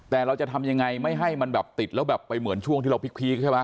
แต่เราจะทำยังไงไม่ให้มันแบบติดแล้วแบบไปเหมือนช่วงที่เราพีคใช่ไหม